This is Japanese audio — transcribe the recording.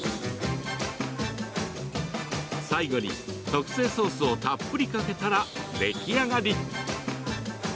最後に、特製ソースをたっぷりかけたら出来上がり。